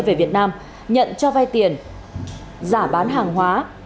về việt nam nhận cho vay tiền giả bán hàng hóa